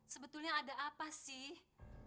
sebetulnya ada apa sih